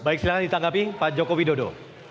baik silakan ditanggapi pak jokowi dodo